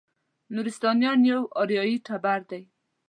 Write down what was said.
نورستانیان یو اریایي ټبر دی.